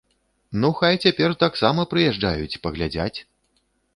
Ну хай цяпер таксама прыязджаюць, паглядзяць.